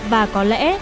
và có lẽ